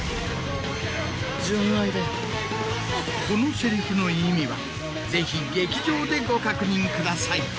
このセリフの意味はぜひ劇場でご確認ください。